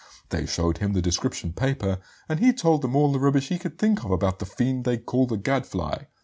They showed him the description paper, and he told them all the rubbish he could think of about 'the fiend they call the Gadfly.'